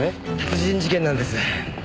殺人事件なんです。